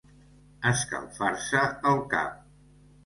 Escalfar-se el cap.